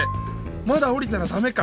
まだおりたらダメか。